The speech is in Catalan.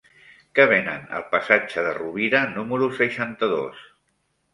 Què venen al passatge de Rovira número seixanta-dos?